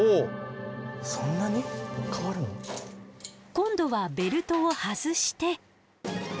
今度はベルトを外して。